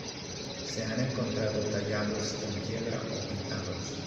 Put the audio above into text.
Se han encontrado tallados en piedra o pintados.